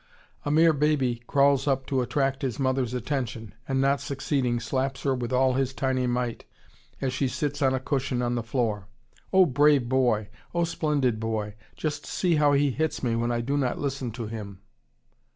A mere baby crawls up to attract his mother's attention and, not succeeding, slaps her with all his tiny might as she sits on a cushion on the floor. "Oh brave boy! oh splendid boy! just see how he hits me when I do not listen to him!"